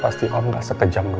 pasti om gak sekejam